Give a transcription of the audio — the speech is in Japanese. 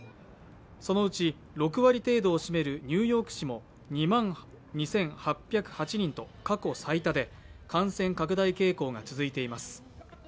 そのうち６割程度を占めるニューヨーク市も２万２８０８人と過去最多で感染拡大傾向が続いています。